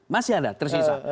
masih ada tersisa